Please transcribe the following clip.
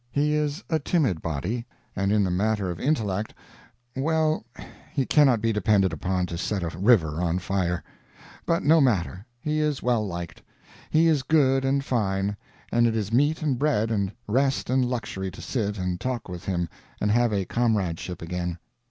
He is a timid body, and in the matter of intellect well, he cannot be depended upon to set a river on fire; but no matter, he is well liked; he is good and fine, and it is meat and bread and rest and luxury to sit and talk with him and have a comradeship again.